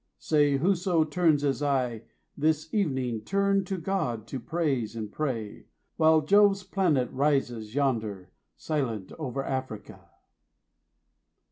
say, 5 Whoso turns as I, this evening, turn to God to praise and pray, While Jove's planet rises yonder, silent over Africa.